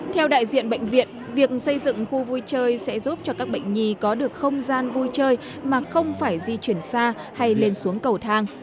theo đại diện bệnh viện việc xây dựng khu vui chơi sẽ giúp cho các bệnh nhi có được không gian vui chơi mà không phải di chuyển xa hay lên xuống cầu thang